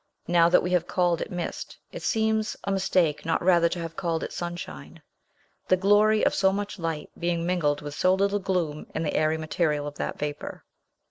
Now that we have called it mist, it seems a mistake not rather to have called it sunshine; the glory of so much light being mingled with so little gloom, in the airy material of that vapor.